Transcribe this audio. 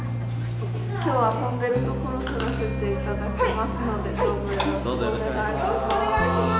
今日は遊んでるところ撮らせて頂きますのでどうぞよろしくお願いします。